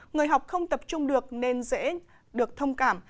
người học không tập trung được nên dễ được thông cảm